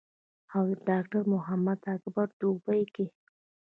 او ډاکټر محمد اکبر پۀ دوبۍ کښې